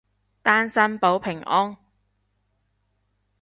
單身保平安